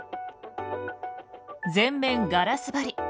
全面ガラス張り。